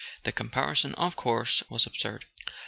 The comparison, of course, was absurd.